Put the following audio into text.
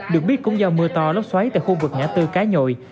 được biết cũng do mưa to lóc xoáy tại khu vực nhã tư cá nhội